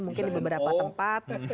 mungkin di beberapa tempat